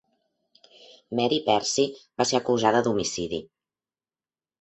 Mary Pearcey va ser acusada d'homicidi.